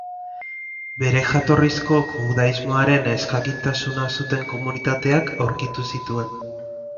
Bere jatorrizko judaismoaren ezjakintasuna zuten komunitateak aurkitu zituen.